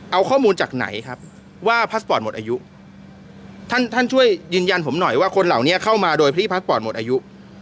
เอาข้อมูลจากไหนครับว่าพาสปอร์ตหมดอายุท่านท่านช่วยยืนยันผมหน่อยว่าคนเหล่านี้เข้ามาโดยพี่พาสปอร์ตหมดอายุ